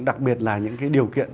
đặc biệt là những cái điều kiện